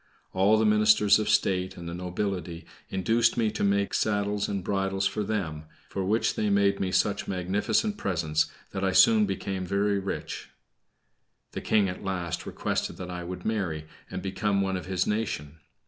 All the ministers of state and the nobility induced me to make saddles and bridles for them, for which they made me such magnificent presents that I soon became very rich. The King at last requested that I would marry, and become one of his nation.